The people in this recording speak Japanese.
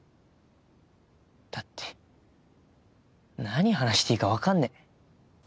だって何話していいか分かんねえ。